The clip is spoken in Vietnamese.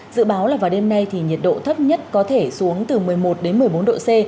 dự báo là vào đêm nay thì nhiệt độ thấp nhất có thể xuống từ một mươi một đến một mươi bốn độ c